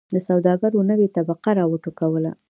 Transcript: د سوداګرو نوې طبقه را و ټوکوله.